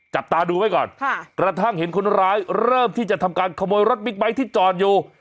จับตาดูไว้ก่อนกระทั่งเห็นคนร้ายเริ่มที่จะทำการขโมยรถบิ๊กไบท์ที่จอดอยู่